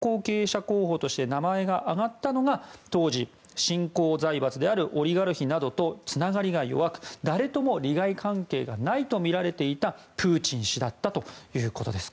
ヤコベンコ氏によりますとそこで後継者候補として名前が挙がったのが当時、新興財閥であるオリガルヒなどとつながりが弱く誰とも利害関係がないとみられていたプーチン氏だったということです。